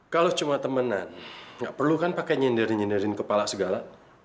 kalau cuma temenan nggak perlu kan pakai nyindir nyinderin kepala segala